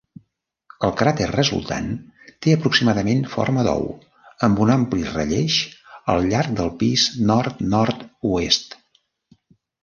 El cràter resultant té aproximadament forma d'ou, amb un ampli relleix al llarg del pis nord-nord-oest.